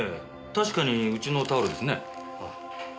確かにうちのタオルですね。